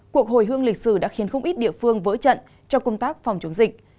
cuộc hồi hương lịch sử đã khiến không ít địa phương vỡ trận trong công tác phòng chống dịch